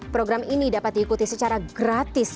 program ini dapat diikuti secara gratis